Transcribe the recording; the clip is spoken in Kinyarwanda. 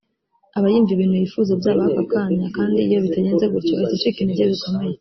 Aba yumva ibintu yifuza byabaho ako kanya kandi iyo bitagenze gutyo ahita acika intege bikomeye